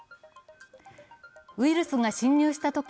ウイルスが侵入したとき